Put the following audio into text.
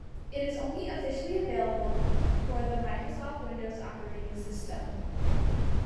It is only officially available for the Microsoft Windows operating system.